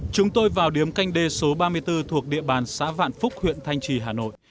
chúng tôi vào điếm canh đê số ba mươi bốn thuộc địa bàn xã vạn phúc huyện thanh trì hà nội